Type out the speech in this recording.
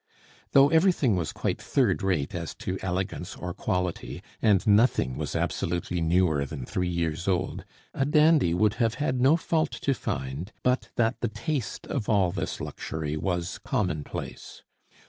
Though everything was quite third rate as to elegance or quality, and nothing was absolutely newer than three years old, a dandy would have had no fault to find but that the taste of all this luxury was commonplace.